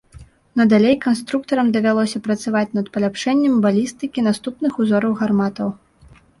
Надалей канструктарам давялося працаваць над паляпшэннем балістыкі наступных узораў гарматаў.